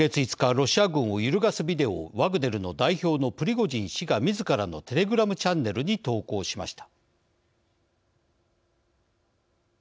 ロシア軍を揺るがすビデオをワグネルの代表のプリゴジン氏がみずからのテレグラムチャンネルに投稿しました。